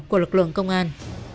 của lực lượng công an